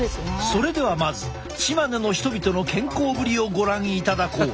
それではまずチマネの人々の健康ぶりをご覧いただこう！